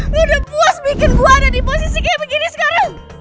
udah puas bikin gue ada di posisi kayak begini sekarang